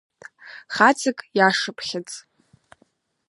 Хаҵак иашшыԥхьыӡ.